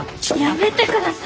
やめてください。